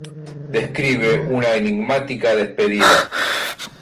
Describe una enigmática despedida.